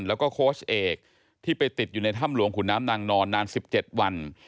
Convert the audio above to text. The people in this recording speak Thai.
แล้วก็โค้ชเอกที่ไปติดอยู่ในถ้ำหลวงขุนน้ำนางนอนนาน๑๗วัน